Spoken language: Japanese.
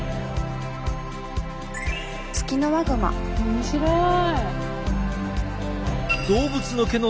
面白い。